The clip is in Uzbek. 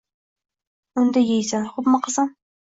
Uyda yeysan, xoʻpmi, qizim?